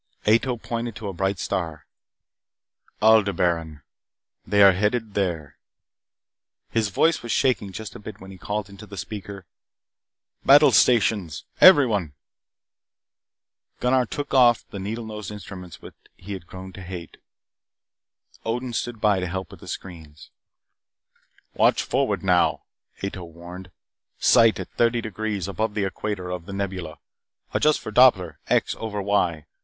Ato pointed to a bright star. "Aldebaran. They are headed there." His voice was shaking just a bit when he called into the speaker: "Battle stations, everyone!" Gunnar took off for the needle nosed instrument which he had grown to hate. Odin stood by to help with the screens. "Watch forward now!" Ato warned. "Sight at thirty degrees above the equator of The Nebula. Adjust for Doppler X over Y.